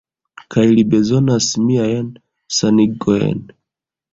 Kaj li bezonas miajn sanigojn.